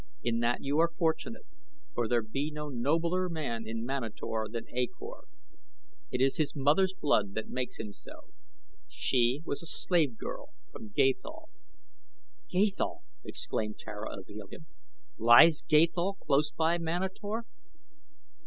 In that you are fortunate, for there be no nobler man in Manator than A Kor. It is his mother's blood that makes him so. She was a slave girl from Gathol." "Gathol!" exclaimed Tara of Helium. "Lies Gathol close by Manator?"